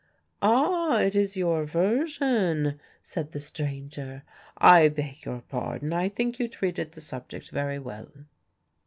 "Ah! it is your version!" said the stranger. "I beg your pardon, I think you treated the subject very well."